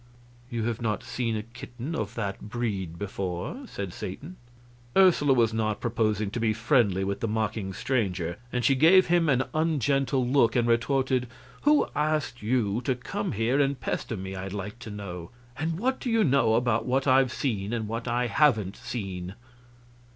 "You have not seen a kitten of that breed before," said Satan. Ursula was not proposing to be friendly with the mocking stranger, and she gave him an ungentle look and retorted: "Who asked you to come here and pester me, I'd like to know? And what do you know about what I've seen and what I haven't seen?"